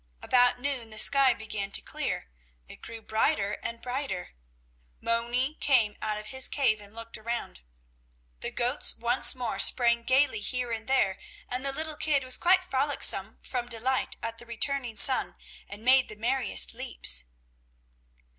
About noon the sky began to clear; it grew brighter and brighter. Moni came out of his cave and looked around. The goats once more sprang gayly here and there, and the little kid was quite frolicsome from delight at the returning sun and made the merriest leaps.